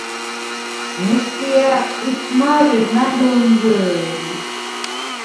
მესტია̄̈ ტკიც მა̄რე მა̈გ ლჷმზჷრე̄ვ ლი!